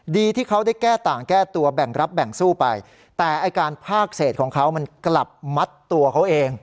ที่เขาได้แก้ต่างแก้ตัวแบ่งรับแบ่งสู้ไปแต่ไอ้การพากเศษของเขามันกลับมัดตัวเขาเอง